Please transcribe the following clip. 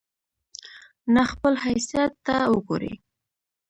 نه خپل حيثت ته وګوري